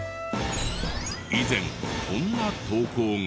以前こんな投稿が。